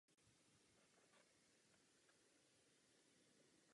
Každý z nich se tak stal zakladatelem jednoho ze tří států.